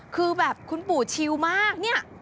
คือแบบคุณปู่ชิวมากเนี่ย